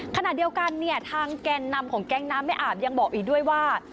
ขณะเดียวกันเนี่ยทางแกนนำของแก๊งน้ำไม่อาบยังบอกอีกด้วยว่า